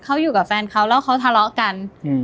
เขาอยู่กับแฟนเขาแล้วเขาทะเลาะกัน